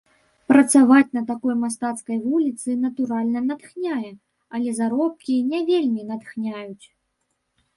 Працаваць на такой мастацкай вуліцы, натуральна, натхняе, але заробкі не вельмі натхняюць.